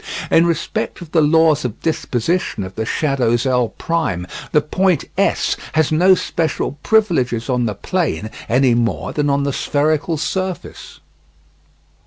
In respect of the laws of disposition of the shadows L', the point S has no special privileges on the plane any more than on the spherical surface.